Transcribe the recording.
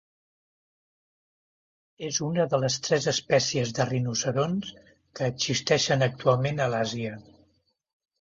És una de les tres espècies de rinoceronts que existeixen actualment a l'Àsia.